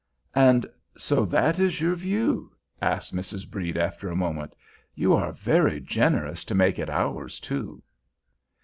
"And so that is your view?" asked Mrs. Brede, after a moment; "you are very generous to make it ours, too."